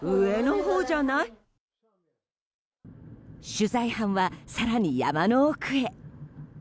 取材班は、更に山の奥へ。